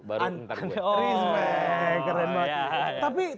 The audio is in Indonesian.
baru ntar gue